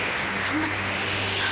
tidak ada siapa